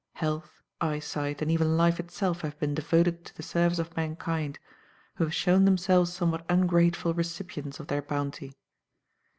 Health, eyesight, and even life itself have been devoted to the service of mankind, who have shown themselves somewhat ungrateful recipients of their bounty.